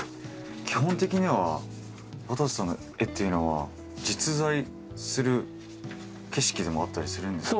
基本的にはわたせさんの絵っていうのは実在する景色でもあったりするんですか？